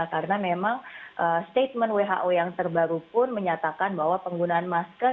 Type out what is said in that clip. karena memang statement who yang terbaru pun menyatakan bahwa penggunaan masker